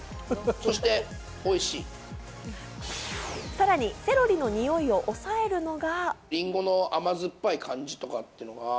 さらにセロリのにおいを抑えるのが。